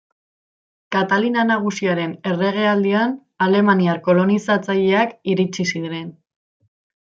Katalina Nagusiaren erregealdian, alemaniar kolonizatzaileak iritsi ziren.